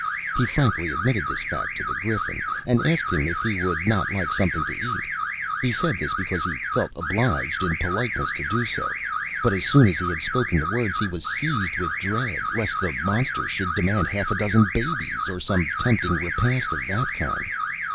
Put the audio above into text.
He frankly admitted this fact to the Griffin, and asked him if he would not like something to eat. He said this because he felt obliged in politeness to do so, but as soon as he had spoken the words, he was seized with dread lest the monster should demand half a dozen babies, or some tempting repast of that kind.